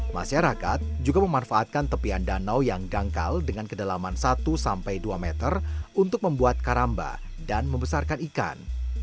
masyarakat juga memanfaatkan tepian danau yang dangkal dengan kedalaman satu sampai dua meter untuk membuat karamba dan membesarkan ikan